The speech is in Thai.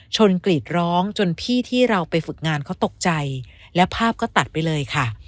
กรีดร้องจนพี่ที่เราไปฝึกงานเขาตกใจและภาพก็ตัดไปเลยค่ะ